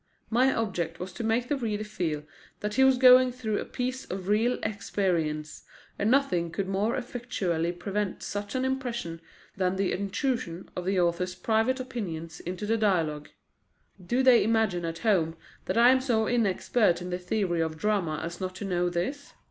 My object was to make the reader feel that he was going through a piece of real experience; and nothing could more effectually prevent such an impression than the intrusion of the author's private opinions into the dialogue. Do they imagine at home that I am so inexpert in the theory of drama as not to know this?